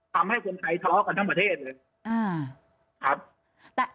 ทำให้คนไทยทะเลาะกันทั้งประเทศเลย